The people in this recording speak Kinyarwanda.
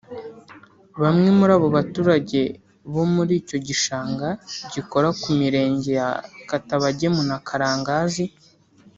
Bamwe muri abo baturage bo muri icyo gishanga gikora ku mirenge ya Katabagemu na Karangazi